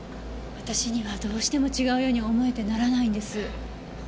私にはどうしても違うように思えてならないんです。